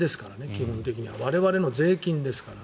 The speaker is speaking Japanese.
基本的には我々の税金ですから。